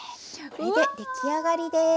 これで出来上がりです。